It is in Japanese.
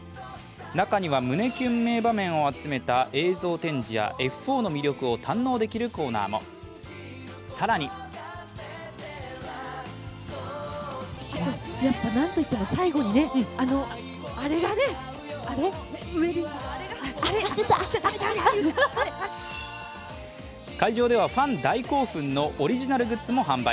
中には胸キュン名場面を集めた映像展示やＦ４の魅力を堪能できるコーナーも、更に会場ではファン大興奮のオリジナルグッズも販売。